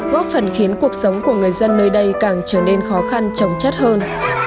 góp phần khiến cuộc sống của người dân nơi đây càng trở nên khó khăn trồng chất hơn